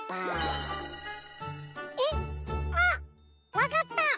わかった！